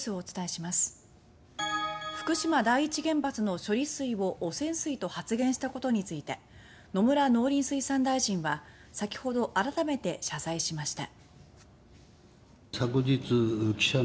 福島第一原発の処理水を汚染水と発言したことについて野村農林水産大臣は先ほど改めて謝罪しました。